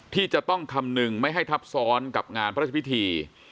ที่จะต้องคำนึงไม่ให้ทับซ้อนกับงานพระราชพิธี